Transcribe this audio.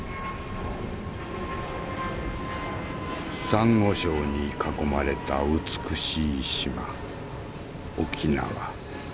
サンゴ礁に囲まれた美しい島沖縄。